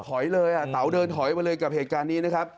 เต๋าเดินถอยมาเลยกับเหตุการณ์นี้นะครับ